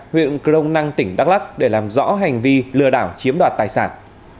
huyện crong năng tỉnh đắk lắc để làm rõ hành vi lừa đảo chiếm đoạt tài sản